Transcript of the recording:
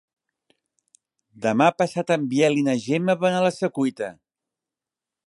Demà passat en Biel i na Gemma van a la Secuita.